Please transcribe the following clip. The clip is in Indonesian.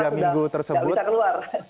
karena sudah tidak bisa keluar